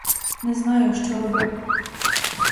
Не знаю, шо робив.